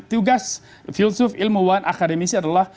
tugas filsuf ilmu wan akademisi adalah